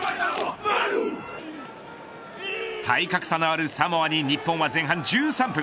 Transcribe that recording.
体格差のあるサモアに日本は前半１３分。